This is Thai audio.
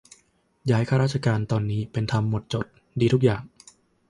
ย้ายข้าราชการตอนนี้เป็นธรรมหมดจด ดีทุกอย่าง